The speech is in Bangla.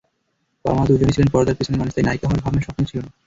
বাবা-মা দুজনই ছিলেন পর্দার পেছনের মানুষ, তাই নায়িকা হওয়ার ভাবনা স্বপ্নেও ছিল না।